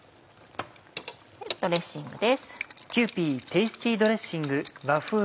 ドレッシングです。